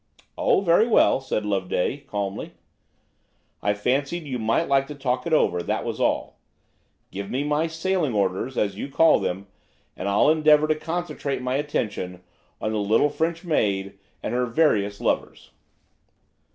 "Oh, very well," said Loveday, calmly; "I fancied you might like to talk it over, that was all. Give me my 'sailing orders,' as you call them, and I'll endeavour to concentrate my attention on the little French maid and her various lovers."